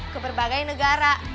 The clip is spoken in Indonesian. ke berbagai negara